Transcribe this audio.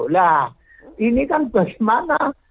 nah ini kan bagaimana